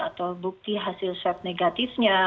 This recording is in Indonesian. atau bukti hasil swab negatifnya